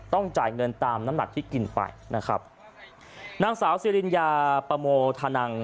จ่ายเงินตามน้ำหนักที่กินไปนะครับนางสาวสิริญญาปโมธานัง